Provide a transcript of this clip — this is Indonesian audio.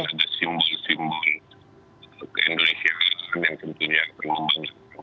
ada simbol simbol keindonesiaan yang tentunya akan membanggakan